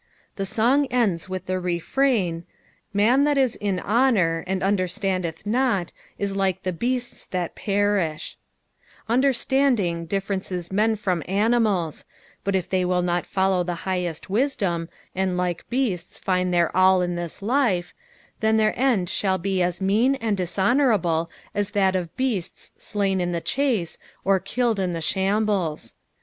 The soDg ends with the refrain, "Man that ii in honour, and vnder ttandeth not, i* tike the beatU thai perith," Understanding diScrences men from animals, but if they will not follow the tiighest wisdom, and like beasts find their all in this life, then their end shall be as mean and disbooourable as that of beasts slain in the chase, or killed in the shambles.